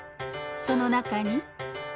その中に。